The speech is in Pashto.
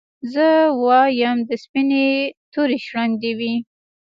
زه وايم د سپيني توري شړنګ دي وي